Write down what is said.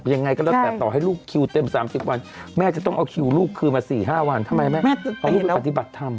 เอาลูกการธิบัติธรรมแม่จะแม่แต่เห็นแล้ว